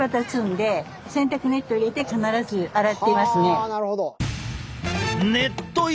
はあなるほど。